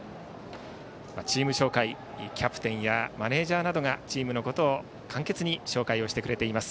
チーム紹介、キャプテンやマネージャーなどがチームのことを簡潔に紹介してくれています。